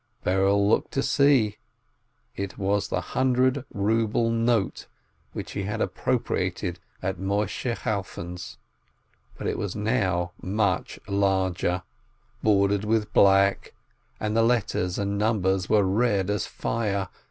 Berel looked to see — it was the hundred ruble note which he had appropriated at Moisheh Chalfon's! But it was now much larger, bordered with black, and the letters and numbers were red as fire.